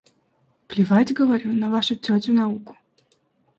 Плевать, говорю, на вашу тётю науку.